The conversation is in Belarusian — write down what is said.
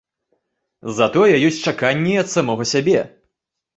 Затое ёсць чаканні ад самога сябе.